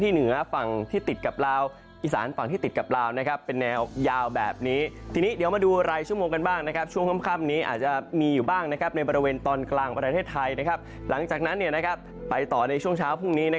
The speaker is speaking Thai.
หลังจากนั้นไปต่อในช่วงเช้าพรุ่งนี้